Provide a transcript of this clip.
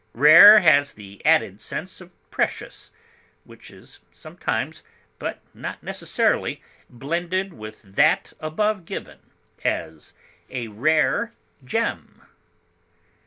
Rare has the added sense of precious, which is sometimes, but not necessarily, blended with that above given; as, a rare gem.